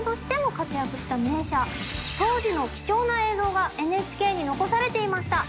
当時の貴重な映像がＮＨＫに残されていました。